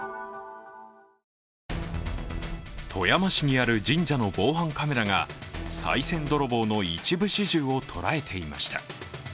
富山市にある神社の防犯カメラがさい銭泥棒の一部始終をとらえていました。